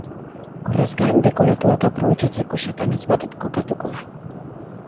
Horrez gain, dekoratuak aprobetxatzeko set anitz bat kokatuko da.